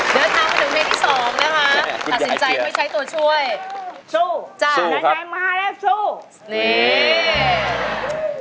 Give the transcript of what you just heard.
เดินทางไปดูชั่ว